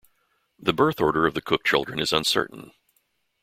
The birth order of the Cooke children is uncertain.